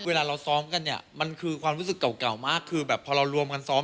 เวลาเราซ้อมกันเนี่ยมันคือความรู้สึกเก่ามากคือแบบพอเรารวมกันซ้อม